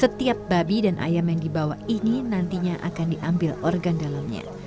setiap babi dan ayam yang dibawa ini nantinya akan diambil organ dalamnya